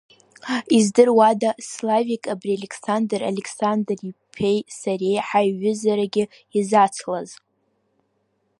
Издыруада Славик абри Александр Александр-иԥеи сареи ҳаиҩызарагьы изацлазар.